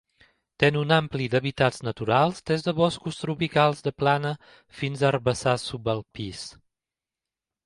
Té una àmplia d'hàbitats naturals, des de boscos tropicals de plana fins a herbassars subalpins.